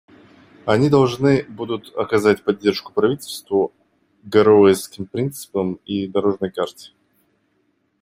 Они должны будут оказать поддержку правительству, «Гароуэсским принципам» и «дорожной карте».